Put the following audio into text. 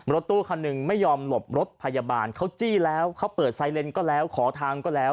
รถตู้คันหนึ่งไม่ยอมหลบรถพยาบาลเขาจี้แล้วเขาเปิดไซเลนก็แล้วขอทางก็แล้ว